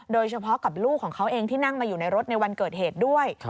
โดยเฉพาะกับลูกของเขาเองที่นั่งมาอยู่ในรถในวันเกิดเหตุด้วย